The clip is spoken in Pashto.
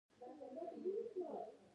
پړانګ د اوږدو پښو له برکته ژر منډه وهي.